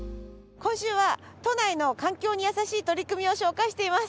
今週は都内の環境にやさしい取り組みを紹介しています。